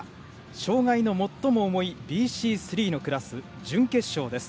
障がいの最も重いクラスＢＣ３の準決勝です。